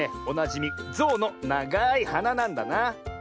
おなじみゾウのながいはななんだな。